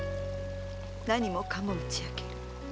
何もかも打ち明ける。